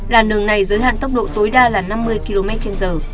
làn đường này giới hạn tốc độ tối đa là năm mươi kmh